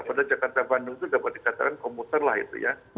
padahal jakarta bandung itu dapat dikatakan komuter lah itu ya